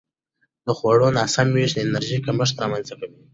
د خوړو ناسم وېش د انرژي کمښت رامنځته کوي.